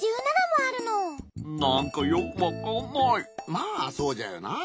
まあそうじゃよな。